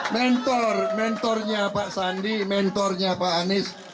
mentor mentornya pak sandi mentornya pak anies